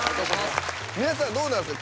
皆さんどうなんですか？